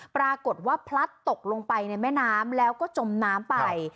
ปรากฏว่าพลัดตกลงไปในแม่น้ำแล้วก็จมน้ำไป